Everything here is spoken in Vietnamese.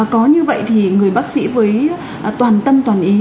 có như vậy thì người bác sĩ với toàn tâm toàn ý